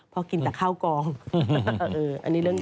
เพราะกินแต่ข้าวกอง